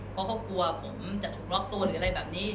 เพราะเขากลัวผมจะถูกล็อกตัวหรืออะไรแบบนี้